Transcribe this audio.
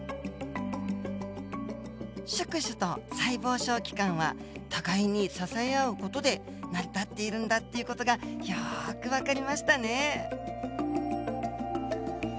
宿主と細胞小器官は互いに支え合う事で成り立っているんだっていう事がよく分かりましたね。